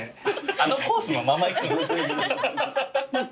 あのコースのまま行く？